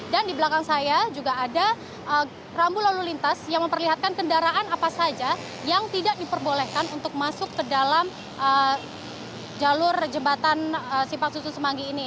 dan di belakang saya juga ada rambu lalu lintas yang memperlihatkan kendaraan apa saja yang tidak diperbolehkan untuk masuk ke dalam jalur jembatan simpang susun semanggi ini